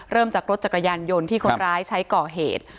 จากรถจักรยานยนต์ที่คนร้ายใช้ก่อเหตุ